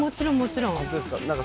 本当ですか？